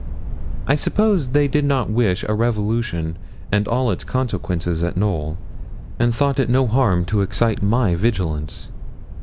I suppose they did not wish a revolution and all its consequences at Knowl, and thought it no harm to excite my vigilance.